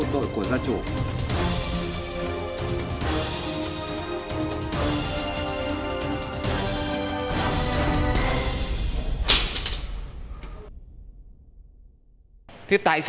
tôi đã thấy